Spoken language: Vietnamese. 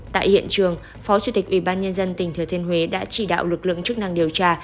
tại hiện trường phó chủ tịch ủy ban nhân dân tỉnh thừa tên huế đã chỉ đạo lực lượng chức năng điều tra